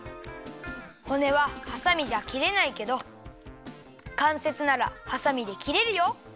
骨ははさみじゃきれないけどかんせつならはさみできれるよ！